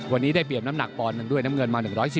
วันนี้ได้เปรียบน้ำหนักปอนด์หนึ่งด้วยน้ำเงินมา๑๑๐